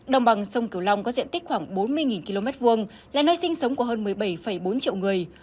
đồng bằng sông cửu long có diện tích khoảng bốn mươi km hai là nơi sinh sống của hơn một mươi bảy bốn triệu người